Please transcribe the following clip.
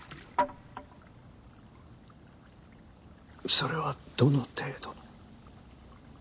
それはどの程度の？